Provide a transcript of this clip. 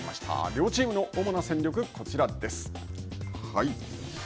両チームの主な戦力、こちらです。